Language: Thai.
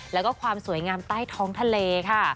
แล้วก็ความสวยงามใต้ท้องทะเลค่ะ